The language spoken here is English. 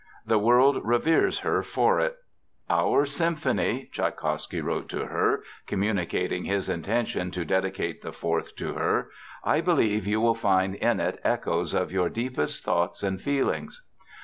The world reveres her for it. "Our symphony," Tschaikowsky wrote to her, communicating his intention to dedicate the Fourth to her. "I believe you will find in it echoes of your deepest thoughts and feelings."